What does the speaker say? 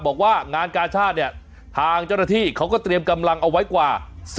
บอกว่างานกาชาติเนี่ยทางเจ้าหน้าที่เขาก็เตรียมกำลังเอาไว้กว่า